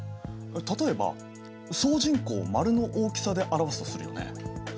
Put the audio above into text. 例えば総人口を丸の大きさで表すとするよね。